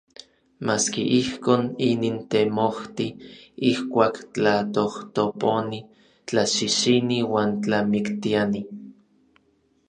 Maski ijkon, inin temojti. Ijkuak tlatojtoponi, tlaxixini uan tlamiktiani.